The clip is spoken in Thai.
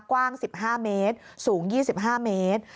กว้าง๑๕เมตรสูง๒๕เมตร